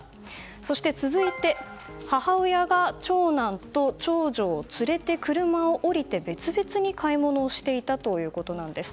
そして、続いて母親が長男と長女を連れて車を降りて別々に買い物をしていたということです。